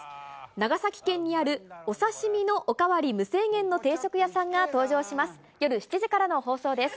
長崎県にあるお刺身のお代わり無制限の定食屋さんが登場します。